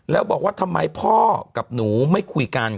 แล้วบอกว่าทำไมพ่อกับหนูไม่คุยกัน